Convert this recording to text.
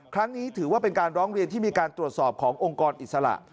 ครั้งนี้ถือว่าเป็นการร้องเรียนที่มีการตรวจสอบขององค์กรอิสระ